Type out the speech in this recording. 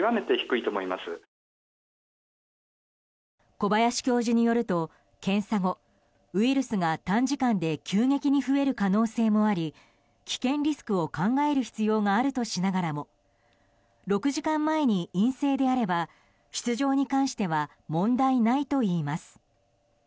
小林教授によると検査後ウイルスが短時間で急激に増える可能性もあり危険リスクを考える必要があるとしながらも６時間前に陰性であれば出場に関しては問題ないといいます。